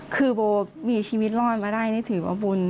คือโบมีชีวิตรอดมาได้นี่ถือว่าบุญ